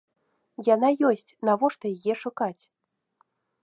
Яна ёсць, навошта яе шукаць?